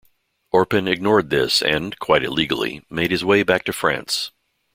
Orpen ignored this and, quite illegally, made his way back to France.